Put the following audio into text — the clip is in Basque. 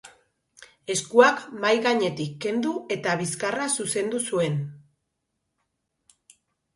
Eskuak mahai gainetik kendu eta bizkarra zuzendu zuen.